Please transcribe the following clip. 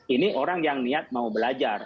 ini orang yang niat mau belajar